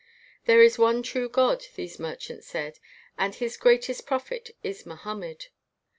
" There is one true God," these merchants said, "and his greatest prophet is Moham med.